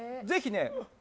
ぜひね